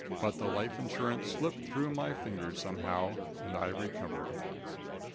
But the life insurance slipped through my fingers somehow, and I recovered.